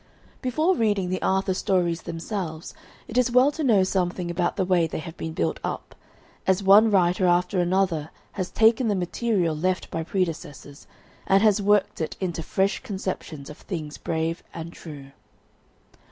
Before reading the Arthur stories themselves it is well to know something about the way they have been built up, as one writer after another has taken the material left by predecessors, and has worked into it fresh conceptions of things brave and true.